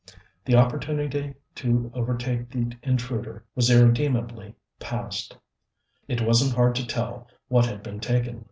The opportunity to overtake the intruder was irredeemably past. It wasn't hard to tell what had been taken.